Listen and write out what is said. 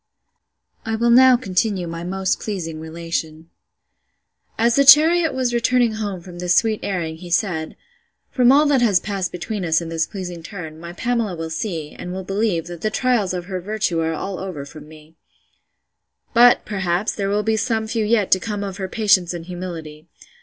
—— I will now continue my most pleasing relation. As the chariot was returning home from this sweet airing, he said, From all that has passed between us in this pleasing turn, my Pamela will see, and will believe, that the trials of her virtue are all over from me: But, perhaps, there will be some few yet to come of her patience and humility.